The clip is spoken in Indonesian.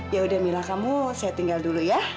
ya udah mila kamu saya tinggal dulu ya